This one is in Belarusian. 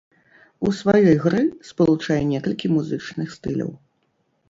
У сваёй гры спалучае некалькі музычных стыляў.